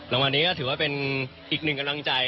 รางวัลนี้ก็ถือว่าเป็นอีกหนึ่งกำลังใจ